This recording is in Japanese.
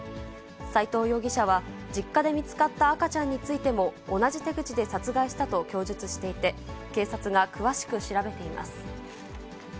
斎藤容疑者は、実家で見つかった赤ちゃんについても、同じ手口で殺害したと供述していて、警察が詳しく調べています。